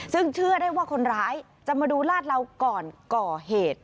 ซึ่งเชื่อได้ว่าคนร้ายจะมาดูลาดเหลาก่อนก่อเหตุ